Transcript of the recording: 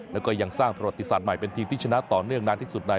แล้วก็ยังสร้างประวัติศาสตร์ใหม่เป็นทีมที่ชนะต่อเนื่องนานที่สุดใน